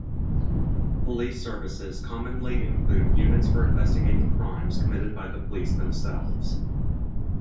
Police services commonly include units for investigating crimes committed by the police themselves.